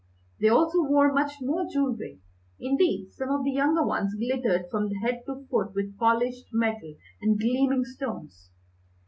They also wore much more jewellery. Indeed, some of the younger ones glittered from head to foot with polished metal and gleaming stones.